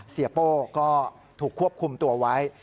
โป้ก็ถูกควบคุมตัวไว้